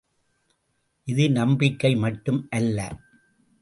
இது நம்பிக்கை மட்டும் அல்ல!